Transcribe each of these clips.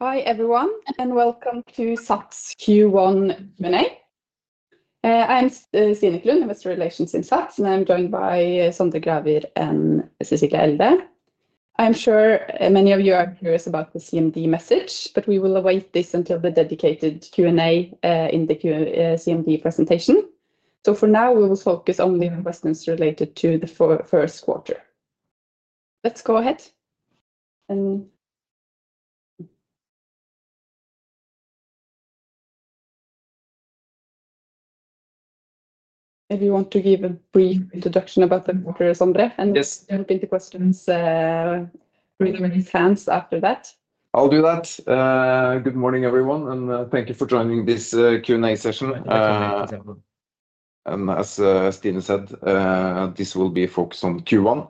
Hi everyone, and welcome to SATS Q1 Q&A. I'm Stine Klund, Investor Relations in SATS, and I'm joined by Sondre Gravir and Cecilie Elde. I'm sure many of you are curious about the CMD message, but we will await this until the dedicated Q&A in the CMD presentation. For now, we will focus only on questions related to the first quarter. Let's go ahead. If you want to give a brief introduction about the quarter, Sondre, and jump into questions with raised hands after that. I'll do that. Good morning, everyone, and thank you for joining this Q&A session. As Stine said, this will be a focus on Q1.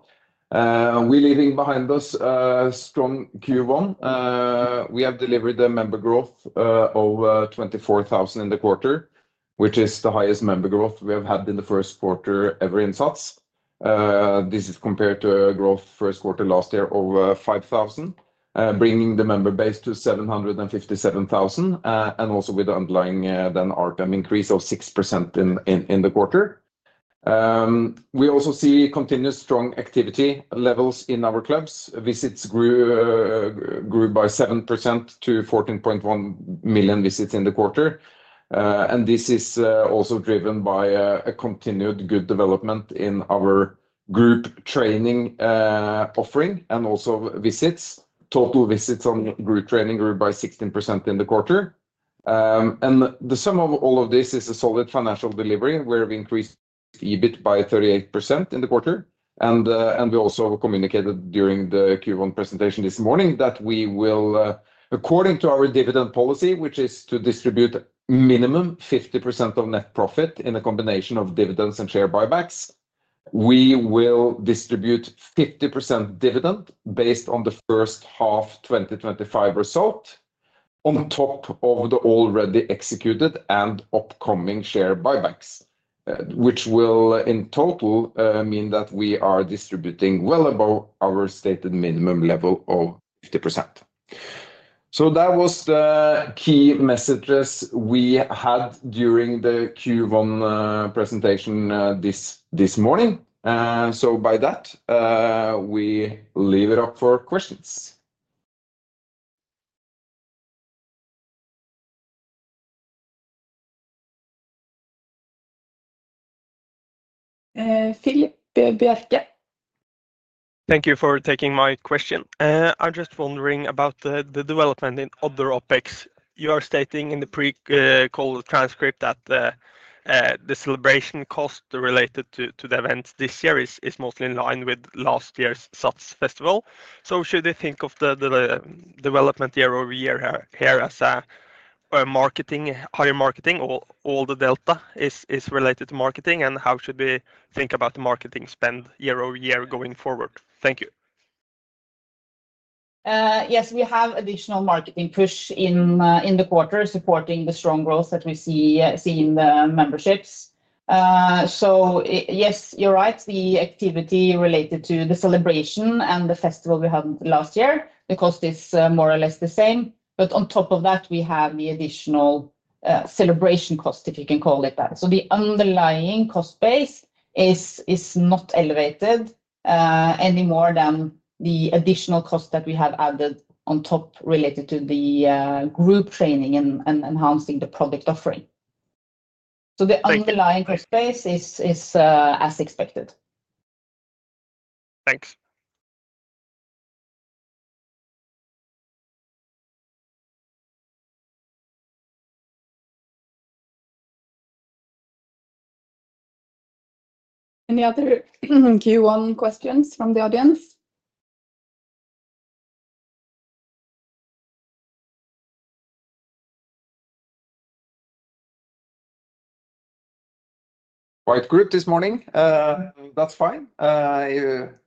We're leaving behind us a strong Q1. We have delivered a member growth of 24,000 in the quarter, which is the highest member growth we have had in the first quarter ever in SATS. This is compared to a growth first quarter last year of 5,000, bringing the member base to 757,000, and also with the underlying then RPM increase of 6% in the quarter. We also see continuous strong activity levels in our clubs. Visits grew by 7% to 14.1 million visits in the quarter. This is also driven by a continued good development in our group training offering and also visits. Total visits on group training grew by 16% in the quarter. The sum of all of this is a solid financial delivery where we increased EBIT by 38% in the quarter. We also communicated during the Q1 presentation this morning that we will, according to our dividend policy, which is to distribute minimum 50% of net profit in a combination of dividends and share buybacks, distribute 50% dividend based on the first half 2025 result on top of the already executed and upcoming share buybacks, which will in total mean that we are distributing well above our stated minimum level of 50%. That was the key messages we had during the Q1 presentation this morning. By that, we leave it up for questions. Filip Bjerke. Thank you for taking my question. I'm just wondering about the development in other OpEx. You are stating in the pre-call transcript that the celebration cost related to the event this year is mostly in line with last year's SATS festival. Should we think of the development year-over-year here as a higher marketing or all the delta is related to marketing, and how should we think about the marketing spend year-over-year going forward? Thank you. Yes, we have additional marketing push in the quarter supporting the strong growth that we see in the memberships. Yes, you're right, the activity related to the celebration and the festival we had last year, the cost is more or less the same. On top of that, we have the additional celebration cost, if you can call it that. The underlying cost base is not elevated any more than the additional cost that we have added on top related to the group training and enhancing the product offering. The underlying cost base is as expected. Thanks. Any other Q1 questions from the audience? Quite good this morning. That's fine. If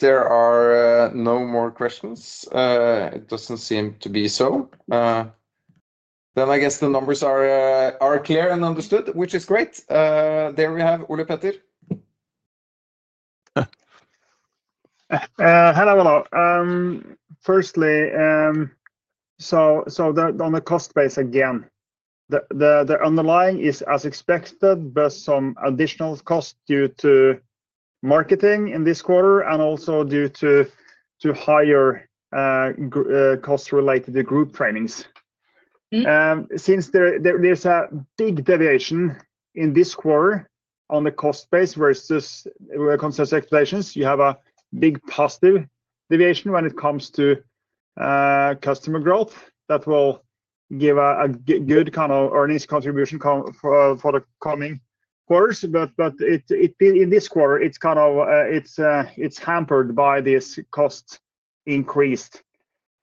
there are no more questions, it doesn't seem to be so. I guess the numbers are clear and understood, which is great. There we have Ole Petter. Hello all. Firstly, so on the cost base again, the underlying is as expected, but some additional cost due to marketing in this quarter and also due to higher costs related to group training. Since there's a big deviation in this quarter on the cost base versus consensus expectations, you have a big positive deviation when it comes to customer growth that will give a good kind of earnings contribution for the coming quarters. In this quarter, it's kind of hampered by this cost increase.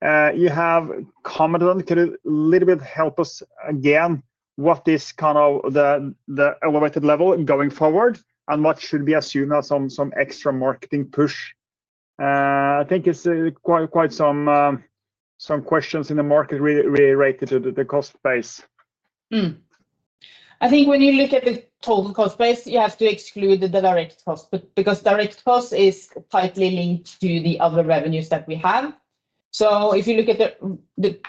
You have commented on, could a little bit help us again what this kind of the elevated level going forward and what should be assumed as some extra marketing push. I think it's quite some questions in the market related to the cost base. I think when you look at the total cost base, you have to exclude the direct cost because direct cost is tightly linked to the other revenues that we have. If you look at the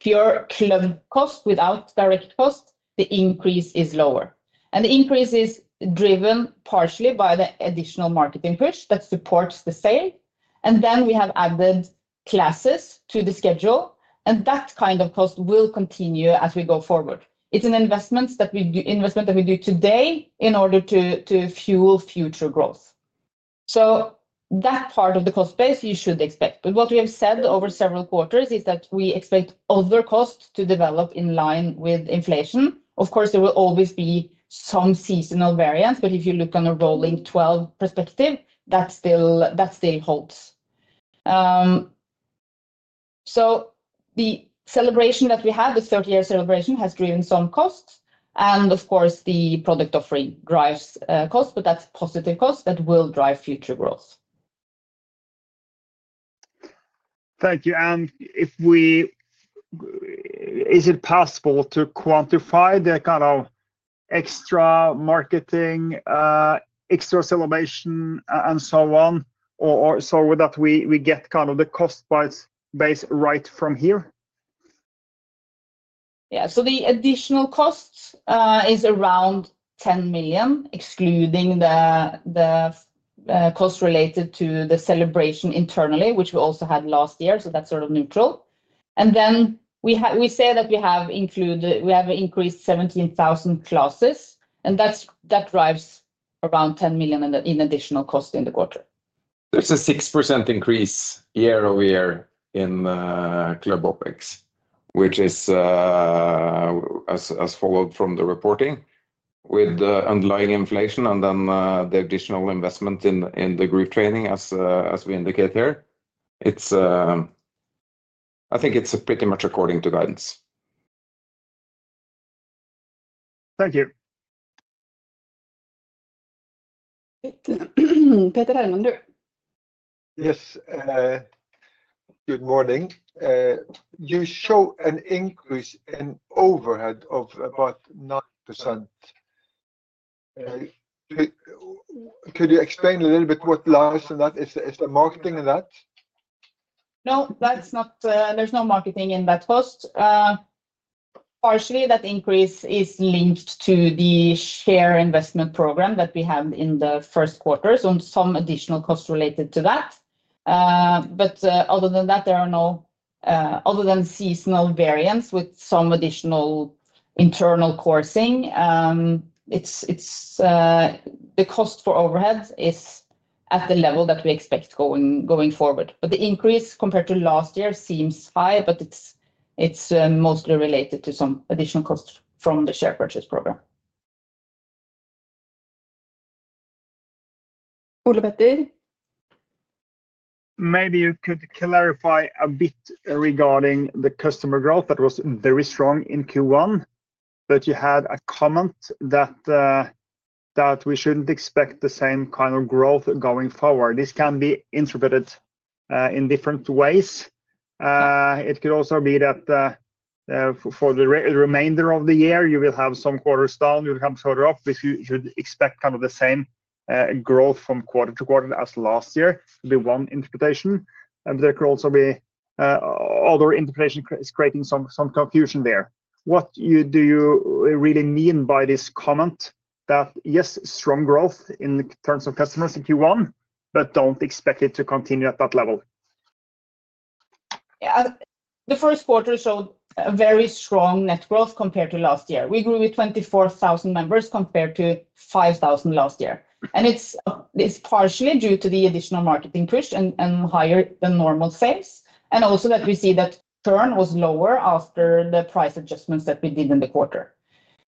pure club cost without direct cost, the increase is lower. The increase is driven partially by the additional marketing push that supports the sale. We have added classes to the schedule, and that kind of cost will continue as we go forward. It is an investment that we do today in order to fuel future growth. That part of the cost base you should expect. What we have said over several quarters is that we expect other costs to develop in line with inflation. Of course, there will always be some seasonal variance, but if you look on a rolling 12 perspective, that still holds. The celebration that we have, the 30-year celebration, has driven some costs. Of course, the product offering drives costs, but that's positive costs that will drive future growth. Thank you. Is it possible to quantify the kind of extra marketing, extra celebration, and so on, so that we get kind of the cost base right from here? Yeah. The additional cost is around 10 million, excluding the cost related to the celebration internally, which we also had last year. That is sort of neutral. We say that we have increased 17,000 classes, and that drives around 10 million in additional cost in the quarter. There's a 6% increase year-over-year in club OpEx, which is as followed from the reporting with the underlying inflation and then the additional investment in the group training, as we indicate here. I think it's pretty much according to guidance. Thank you. Peter Hellemander. Yes. Good morning. You show an increase in overhead of about 9%. Could you explain a little bit what lies in that? Is there marketing in that? No, there's no marketing in that cost. Partially, that increase is linked to the share investment program that we had in the first quarter, so some additional cost related to that. Other than that, there are no other than seasonal variance with some additional internal coursing. The cost for overhead is at the level that we expect going forward. The increase compared to last year seems high, but it's mostly related to some additional costs from the share purchase program. Ole Petter. Maybe you could clarify a bit regarding the customer growth that was very strong in Q1, but you had a comment that we should not expect the same kind of growth going forward. This can be interpreted in different ways. It could also be that for the remainder of the year, you will have some quarters down, you will have some quarter up. If you should expect kind of the same growth from quarter to quarter as last year, it would be one interpretation. There could also be other interpretations creating some confusion there. What do you really mean by this comment that, yes, strong growth in terms of customers in Q1, but do not expect it to continue at that level? Yeah. The first quarter showed a very strong net growth compared to last year. We grew with 24,000 members compared to 5,000 last year. It is partially due to the additional marketing push and higher than normal sales. Also, we see that churn was lower after the price adjustments that we did in the quarter.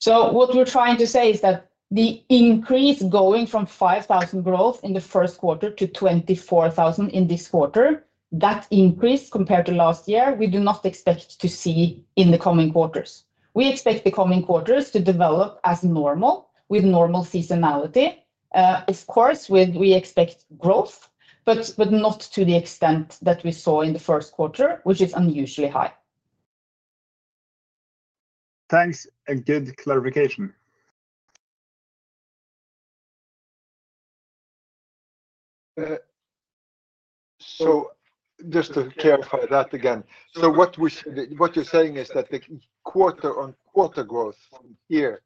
What we are trying to say is that the increase going from 5,000 growth in the first quarter to 24,000 in this quarter, that increase compared to last year, we do not expect to see in the coming quarters. We expect the coming quarters to develop as normal with normal seasonality. Of course, we expect growth, but not to the extent that we saw in the first quarter, which is unusually high. Thanks. A good clarification. Just to clarify that again, what you're saying is that the quarter-on-quarter growth here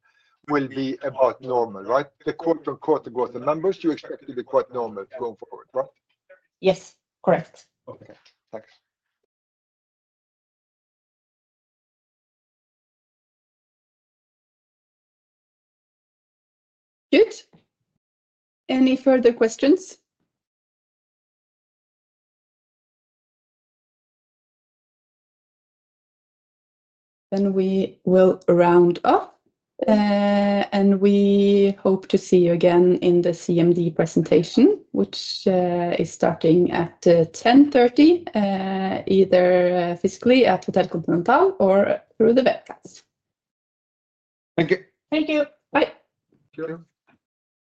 will be about normal, right? The quarter-on-quarter growth of members, you expect to be quite normal going forward, right? Yes, correct. Okay. Thanks. Good. Any further questions? We will round off. We hope to see you again in the CMD presentation, which is starting at 10:30, either physically at Hotel Continental or through the webcast. Thank you. Thank you. Bye. Cheers.